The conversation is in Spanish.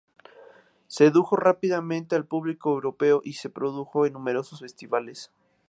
Sedujo rápidamente al público europeo y se produjo en numerosos festivales.